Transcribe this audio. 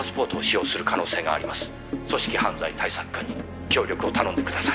「組織犯罪対策課に協力を頼んでください」